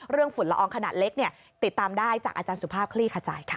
ฝุ่นละอองขนาดเล็กติดตามได้จากอาจารย์สุภาพคลี่ขจายค่ะ